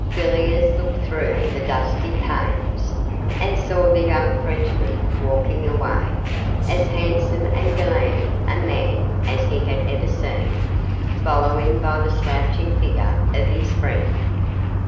Villiers looked through the dusty panes, and saw the young Frenchman walking away, as handsome and gallant a man as he had ever seen, followed by the slouching figure of his friend.